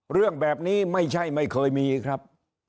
เรื่องแบบนี้ไม่ใช่ไม่เคยมีครับ